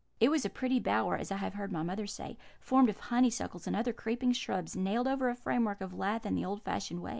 It was a pretty bower, as I have heard my mother say, formed of honeysuckles and other creeping shrubs nailed over a framework of lath in the old fashioned way.